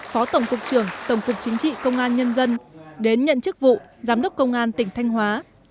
phó tổng cục trưởng tổng cục chính trị công an nhân dân đến nhận chức vụ giám đốc công an tỉnh thanh hóa